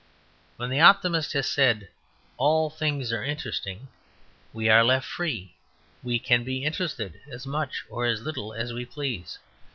When the optimist has said, "All things are interesting," we are left free; we can be interested as much or as little as we please.